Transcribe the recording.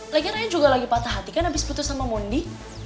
lagi raya juga lagi patah hati kan abis putus sama mondi